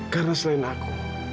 karena selain aku